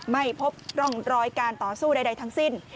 ไม่พบร่องรอยการต่อสู้ใดทั้งสิ้น